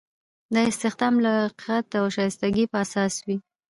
دا استخدام د لیاقت او شایستګۍ په اساس وي.